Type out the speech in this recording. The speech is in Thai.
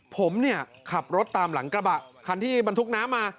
ผมเนี่ยขับรถตามหลังกระบะคันที่บรรทุกน้ำมา